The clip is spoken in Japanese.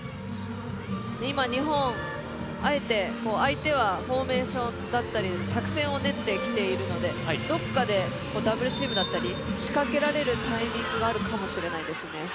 今、日本あえて相手はフォーメーションだったり作戦を練ってきているのでどこかでダブルチームだったり仕掛けられるタイミングがあるかもしれないですね。